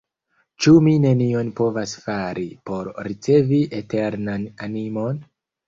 Ĉu mi nenion povas fari, por ricevi eternan animon?